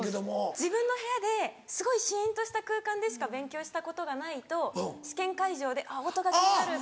自分の部屋ですごいシンとした空間でしか勉強したことがないと試験会場で音が気になるって。